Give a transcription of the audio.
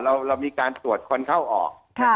เรามีการตรวจคนเข้าออก